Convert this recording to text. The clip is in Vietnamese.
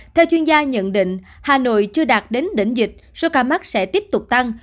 theo chuyên gia nhận định hà nội chưa đạt đến đỉnh dịch số ca mắc sẽ tiếp tục tăng